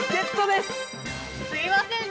「すいませんね